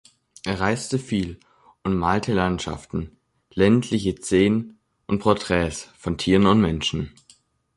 Er reiste viel und malte Landschaften, ländliche Szenen und Porträts von Tieren und Menschen.